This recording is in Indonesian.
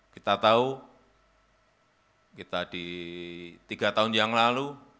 kita tahu kita di tiga tahun yang lalu